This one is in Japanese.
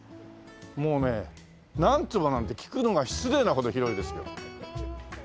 もうね「何坪？」なんて聞くのが失礼なほど広いですよ。